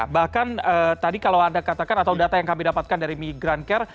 bahkan tadi kalau anda katakan atau data yang kami dapatkan dari migrancare